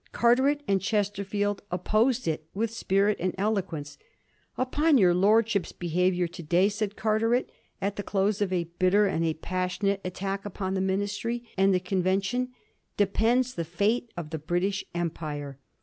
Carteret and Chesterfield opposed it with spirit and eloquence. " Upon your Lordships' be havior to day," said Carteret at the close of a bitter and a passionate attack upon the Ministry and the conven tion, " depends the fate of the British Empire.